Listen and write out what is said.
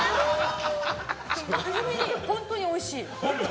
真面目に、本当においしい。